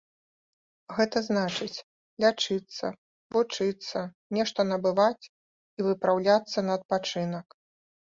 Гэта значыць, лячыцца, вучыцца, нешта набываць і выпраўляцца на адпачынак.